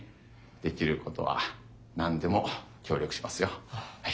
できることは何でも協力しますよ。